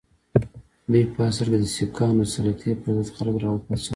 دوی په اصل کې د سیکهانو د سلطې پر ضد خلک را وپاڅول.